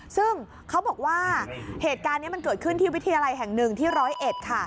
ซึ่งเขาบอกว่าเหตุการณ์นี้มันเกิดขึ้นที่วิทยาลัยแห่งหนึ่งที่ร้อยเอ็ดค่ะ